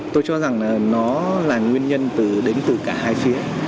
tôi cho rằng là nó là nguyên nhân đến từ cả hai phía